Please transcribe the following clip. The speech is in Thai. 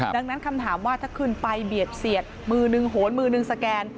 ดังนั้นคำถามว่าถ้าขึ้นไปเบียดเสียดมือนึงโหนมือนึงสแกน